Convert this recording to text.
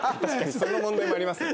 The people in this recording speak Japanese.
その問題もありますね。